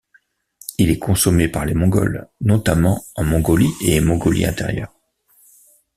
Il est consommé par les Mongols, notamment en Mongolie et Mongolie-Intérieure.